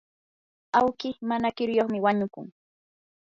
awki mana kiruyuqmi wañukun.